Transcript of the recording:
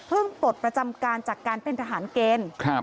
ปลดประจำการจากการเป็นทหารเกณฑ์